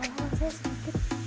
kalau saya sedikit